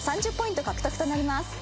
３０ポイント獲得となります。